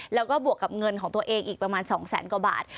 แล้วก็บวกกับเงินของตัวเองอีกประมาณ๒แสนกว่าบาท